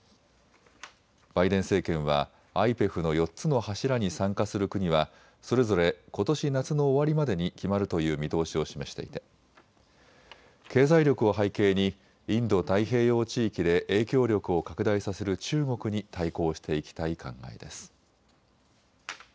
バイデン政権はＩＰＥＦの４つの柱に参加する国はそれぞれことし夏の終わりまでに決まるという見通しを示していて、経済力を背景にインド太平洋地域で影響力を拡大させる中国に対抗していきたい考えです。